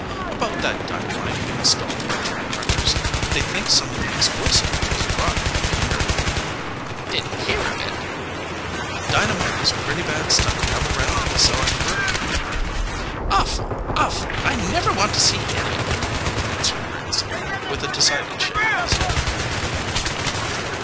"About that dynamite being stolen by train wreckers. They think some of the explosive was brought up here." "Didn't hear of it." "Dynamite is pretty bad stuff to have around, so I've heard." "Awful! Awful! I never want to see any of it," answered Ricks, with a decided shake of his head.